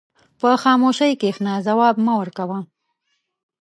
په خاموشۍ کښېنه، ځواب مه ورکوه.